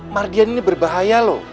mardian ini berbahaya loh